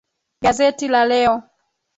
Gazeti la leo.